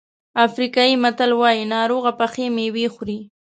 افریقایي متل وایي ناروغه پخې مېوې خوري.